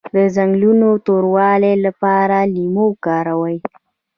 د څنګلو د توروالي لپاره لیمو وکاروئ